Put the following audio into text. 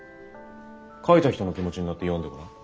書いた人の気持ちになって読んでごらん。